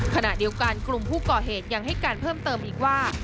ขณะเดียวกันกลุ่มผู้ก่อเหตุยังให้การเพิ่มเติมอีกว่า